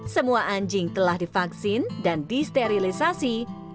semua anjing telah divaksin dan disterilisasi